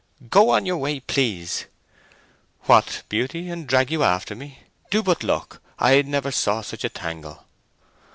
"Go on your way, please." "What, Beauty, and drag you after me? Do but look; I never saw such a tangle!"